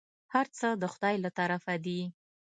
هرڅه د خداى له طرفه دي.